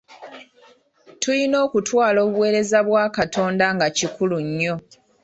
Tuyina okutwala obuweereza bwa Katonda nga kikulu nnyo.